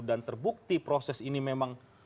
dan terbukti proses ini memang